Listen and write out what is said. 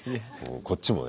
こっちもね